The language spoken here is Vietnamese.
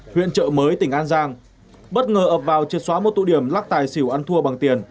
huyện trợ mới tỉnh an giang bất ngờ ập vào triệt xóa một tụ điểm lắc tài xỉu ăn thua bằng tiền